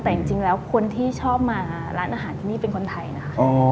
แต่จริงแล้วคนที่ชอบมาร้านอาหารที่นี่เป็นคนไทยนะคะ